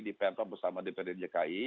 di pemprov bersama dprd dki